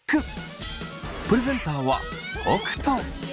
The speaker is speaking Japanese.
プレゼンターは北斗。